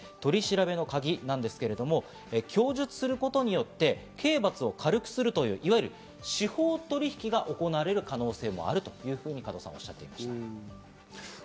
取り調べのカギなんですけれども、供述することによって刑罰を軽くするという、いわゆる司法取引が行われる可能性もあるとおっしゃっていました、加藤さん。